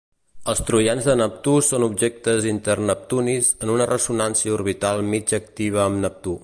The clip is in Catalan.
Els troians de Neptú són objectes inter-neptunis en una ressonància orbital mig activa amb Neptú.